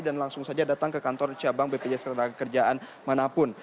dan langsung saja datang ke kantor cabang bpjs ketara kerjaan manapun